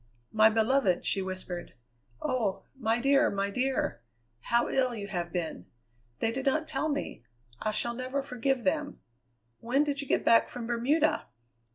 "My beloved!" she whispered. "Oh! my dear, my dear! How ill you have been! They did not tell me. I shall never forgive them. When did you get back from Bermuda?"